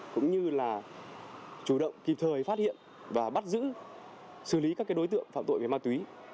cũng như là chủ động kịp thời phát hiện và bắt giữ xử lý các đối tượng phạm tội về ma túy